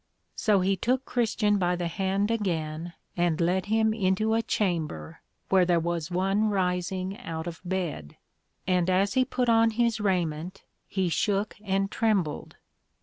So he took Christian by the hand again, and led him into a Chamber, where there was one rising out of bed; and as he put on his raiment, he shook and trembled.